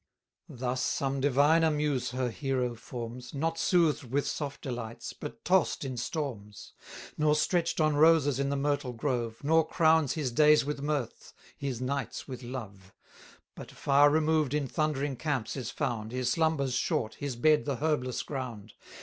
Thus some diviner muse her hero forms, Not soothed with soft delights, but toss'd in storms; Nor stretch'd on roses in the myrtle grove, Nor crowns his days with mirth, his nights with love, But far removed in thundering camps is found, His slumbers short, his bed the herbless ground.